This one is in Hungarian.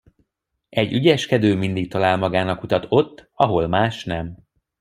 Egy ügyeskedő mindig talál magának utat ott, ahol más nem.